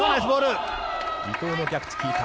伊藤の逆チキータ。